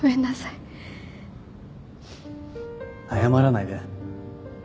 謝らないで。